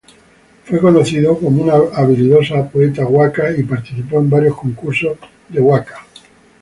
Fue conocido como un habilidoso poeta "waka" y participó en varios concursos de waka.